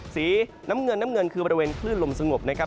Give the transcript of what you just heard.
สีน้ำเงินน้ำเงินคือบริเวณคลื่นลมสงบนะครับ